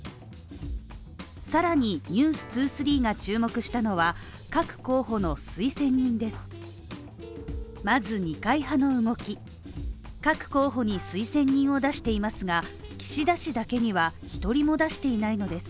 更に、「ＮＥＷＳ２３」が注目したのは各候補の推薦人です。